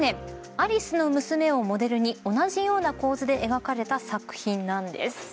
アリスの娘をモデルに同じような構図で描かれた作品なんです。